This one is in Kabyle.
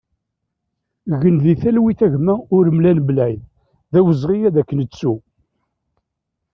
Gen di talwit a gma Uramlan Blaïd, d awezɣi ad k-nettu!